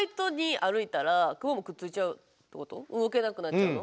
動けなくなっちゃうの？